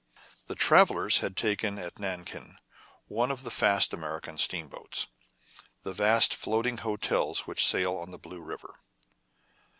The travellers had taken at Nankin one of the fast American steamboats, the vast floating hotels which sail on the Blue River.